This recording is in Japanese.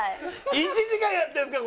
１時間やってるんですか？